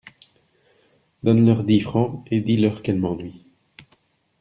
Donne-leur dix francs et dis-leur qu’elles m’ennuient !